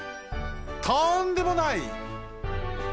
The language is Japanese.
とんでもない！